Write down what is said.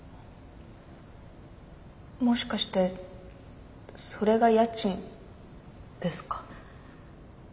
もしかしてそれが家賃ですか？